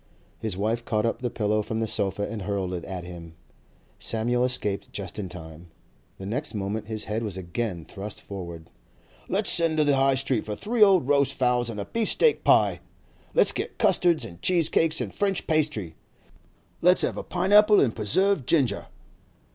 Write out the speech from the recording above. His wife caught up the pillow from the sofa and hurled it at him. Samuel escaped just in time. The next moment his head was again thrust forward. 'Let's send to the High Street for three cold roast fowls and a beef steak pie! Let's get custards and cheese cakes and French pastry! Let's have a pine apple and preserved ginger!